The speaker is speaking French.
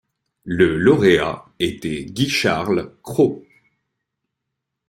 Le lauréat était Guy-Charles Cros.